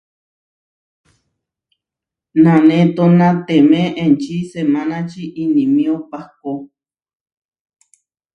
Nanétonatemé enči semánači inimió pahkó.